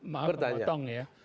maaf kalau potong ya